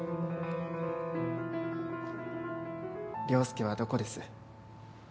椋介はどこです？